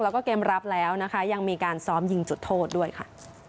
แล้วก็เกมรับแล้วนะคะยังมีการซ้อมยิงจุดโทษด้วยค่ะ